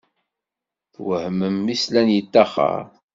Twehhmen mi slan yeṭṭaxer.